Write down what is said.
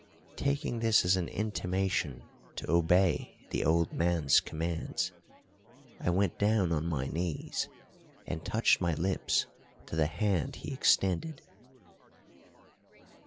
Taking this as an intimation to obey the old man's commands, I went down on my knees, and touched my lips to the hand he extended.